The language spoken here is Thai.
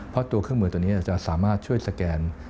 เพราะตัวเครื่องมือตัวนี้จะสามารถช่วยสแกน